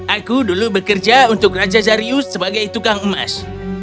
aku dulu bekerja untuk raja zarius sebagai tukang emas